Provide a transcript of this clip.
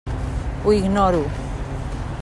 Ho ignoro.